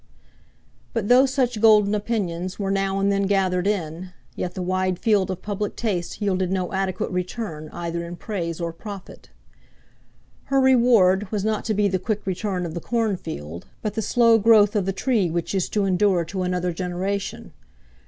But though such golden opinions were now and then gathered in, yet the wide field of public taste yielded no adequate return either in praise or profit. Her reward was not to be the quick return of the cornfield, but the slow growth of the tree which is to endure to another generation.